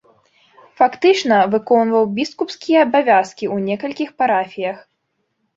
Фактычна выконваў біскупскія абавязкі ў некалькіх парафіях.